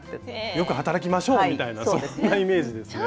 よく働きましょうみたいなそんなイメージですね。